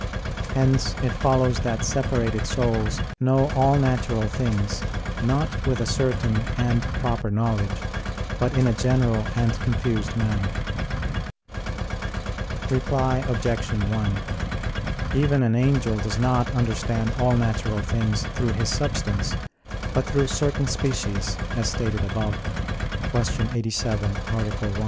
Hence it follows that separated souls know all natural things not with a certain and proper knowledge, but in a general and confused manner. Reply Obj. 1: Even an angel does not understand all natural things through his substance, but through certain species, as stated above (Q. 87, A. 1).